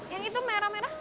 yang itu merah merah